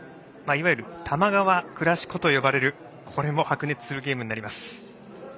いわゆる多摩川クラシコといわれるこれも白熱するゲームになります。